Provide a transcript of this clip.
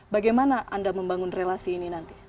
bagaimana anda membangun relasi ini nanti